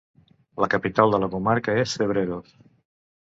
La capital de la comarca és Cebreros.